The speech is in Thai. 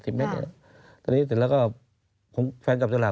ตอนนี้เสร็จแล้วก็แฟนกลับสลาด